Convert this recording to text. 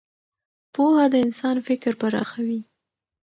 پوهه د انسان فکر پراخوي.